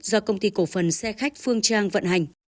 do công ty cổ phần xe khách phương trang vận hành